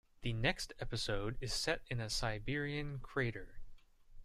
The next episode is set in a Siberian crater.